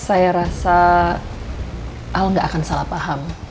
saya rasa al gak akan salah paham